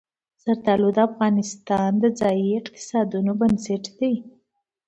زردالو د افغانستان د ځایي اقتصادونو بنسټ دی.